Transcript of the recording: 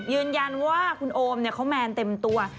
ยืนยันว่าคุณโอมเนี่ยเค้าแมนเต็มตัว